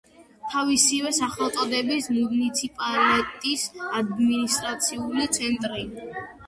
თავისივე სახელწოდების მუნიციპალიტეტის ადმინისტრაციული ცენტრი.